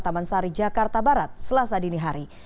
taman sari jakarta barat selasa dini hari